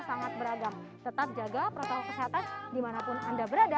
sangat beragam tetap jaga protokol kesehatan dimanapun anda berada